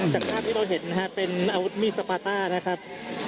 จากภาพที่เราเห็นนะครับเป็นอาวุธมีดสปาต้านะครับ